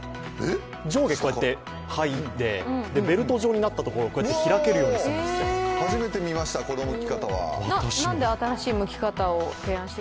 上下はいで、ベルト状になったところをこうやって開けるようにするんですって。